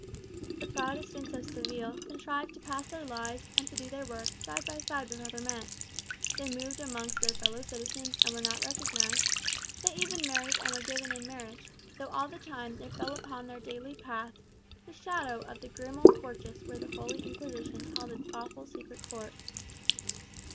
The Protestants of Seville contrived to pass their lives and to do their work side by side with other men; they moved amongst their fellow citizens and were not recognized; they even married and were given in marriage; though all the time there fell upon their daily paths the shadow of the grim old fortress where the Holy Inquisition held its awful secret court.